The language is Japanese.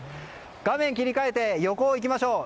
画面切り替えて横に行きましょう。